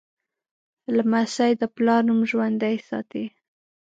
لمسی د پلار نوم ژوندی ساتي.